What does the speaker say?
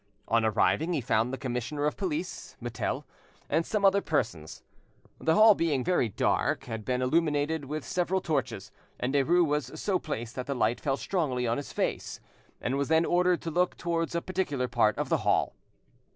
On arriving, he found the commissioner of police, Mutel, and some other persons. The hall being very dark, had been illuminated with several torches, and Derues was so placed that the light fell strongly on his face, and was then ordered to look towards a particular part of the hall.